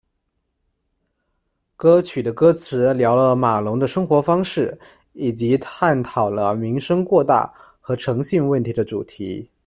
歌曲的歌词聊了马龙的生活方式，以及探讨了名声过大和诚信问题的主题。